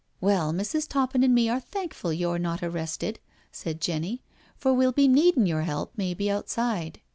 " Well, Mrs. Toppin and me are thankful you're not arrested/' said Jenny, " for we'll be needin' your help maybe outside."